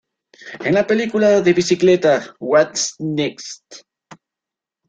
En la película de bicicleta, ""What's Next?